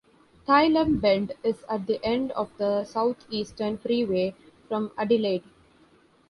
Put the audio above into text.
Tailem Bend is at the end of the South Eastern Freeway from Adelaide.